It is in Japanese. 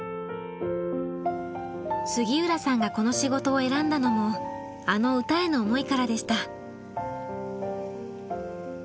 杉浦さんがこの仕事を選んだのもあの歌への思いからでした。